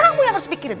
kamu yang harus pikirin